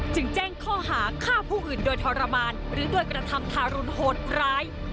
แจ้งข้อหาฆ่าผู้อื่นโดยทรมานหรือโดยกระทำทารุณโหดร้าย